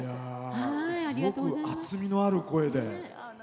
すごく厚みのある声で。